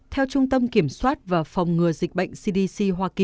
theo trung tâm kiểm soát và phòng ngừa dịch bệnh cdc